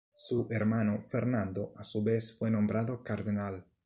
Su hermano Fernando a su vez fue nombrado cardenal.